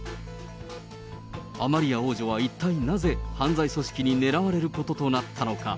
アマリア王女は一体なぜ、犯罪組織に狙われることとなったのか。